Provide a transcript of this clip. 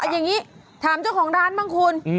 อย่างนี้ถามเจ้าของร้านบ้างคุณ